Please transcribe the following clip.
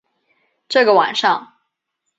这个晚上